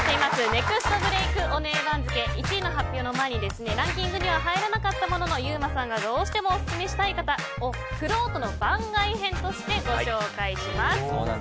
ネクストブレークオネエ番付１位の発表の前にランキングには入らなかったもののユーマさんがどうしてもオススメしたい方をくろうとの番外編としてご紹介します。